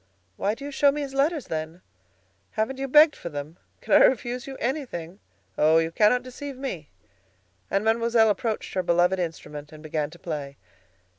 "Why do you show me his letters, then?" "Haven't you begged for them? Can I refuse you anything? Oh! you cannot deceive me," and Mademoiselle approached her beloved instrument and began to play.